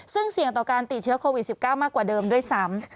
ซึ่งเสี่ยงต่อการติดเชื้อโควิด๑๙มากกว่าเดิมด้วยซ้ำ